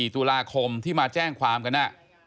๔ตุลาคมที่มาแจ้งความกัน